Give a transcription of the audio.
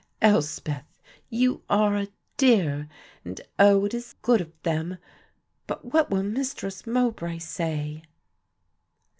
"Elspeth, you are a dear, and, oh, it is good of them, but what will Mistress Mowbray say?"